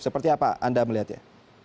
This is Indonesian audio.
seperti apa anda melihatnya